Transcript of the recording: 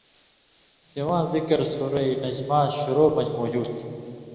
سِواں ذکر سورت نَجماں شُروع مژ موجود تُھو۔